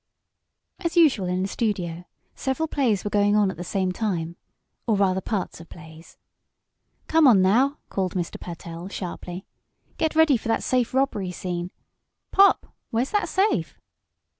As usual in the studio, several plays were going on at the same time or, rather, parts of plays. "Come on now!" called Mr. Pertell, sharply. "Get ready for that safe robbery scene. Pop, where's that safe?"